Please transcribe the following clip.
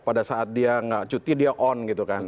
pada saat dia tidak cuti dia on